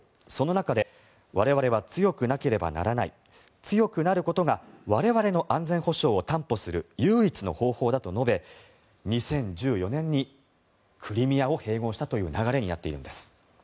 その中で我々は強くなければならない強くなることが我々の安全保障を担保する唯一の方法だと述べ２０１４年にクリミアを併合したという流れになっているんです。